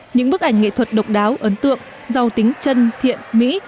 những bức ảnh nghệ thuật độc đáo ấn tượng giàu tính chân thiện mỹ